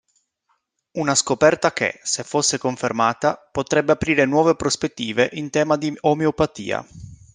Una scoperta che, se fosse confermata, potrebbe aprire nuove prospettive in tema di omeopatia..